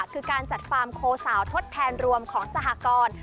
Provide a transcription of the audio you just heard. คือการจัดฟาร์มโคสาวทดแทนรวมของสหกร